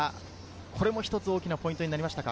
これも一つ大きなポイントになりましたか？